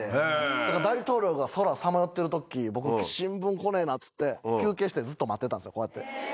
だから、大統領が空、さまよっているとき、僕、新聞来ねえなって言って、休憩して、ずっと待ってたんですよ、こうやって。